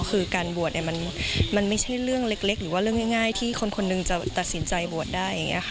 คือการบวชมันไม่ใช่เรื่องเล็กหรือว่าเรื่องง่ายที่คนคนหนึ่งจะตัดสินใจบวชได้